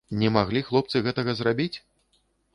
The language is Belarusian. Не маглі хлопцы гэтага зрабіць?